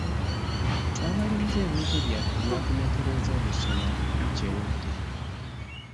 Twamalirizza ebibuuzo byaffe ebyakomekkereza olusoma wiiki ewedde.